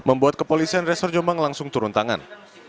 membuat kepolisian resor jombang langsung turun tangan